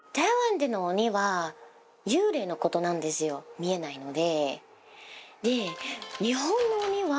見えないので。